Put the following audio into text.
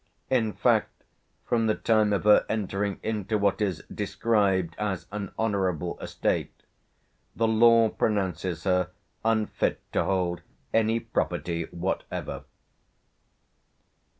In fact, from the time of her entering into what is described as an honourable estate, the law pronounces her unfit to hold any property whatever."